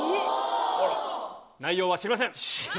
内容は知りません。